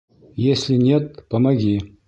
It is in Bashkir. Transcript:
Если нет — помоги!